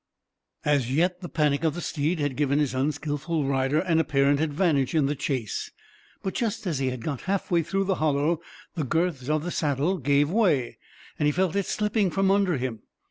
As yet the panic of the steed had given his unskillful rider an apparent advantage in the chase; but just as he had got half way through the hollow, the girths of the saddle gave way, and he felt it slipping from under him.